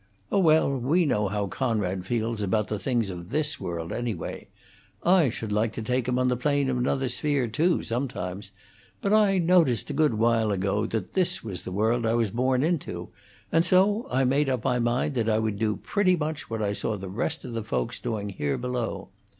"Oh, well, we know how Conrad feels about the things of this world, anyway. I should like to take 'em on the plane of another sphere, too, sometimes; but I noticed a good while ago that this was the world I was born into, and so I made up my mind that I would do pretty much what I saw the rest of the folks doing here below.